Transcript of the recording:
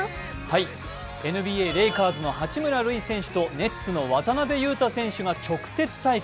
ＮＢＡレイカーズの八村塁選手とネッツの渡邊雄太選手が直接対決。